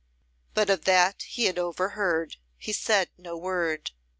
But of that he had overheard he said no word.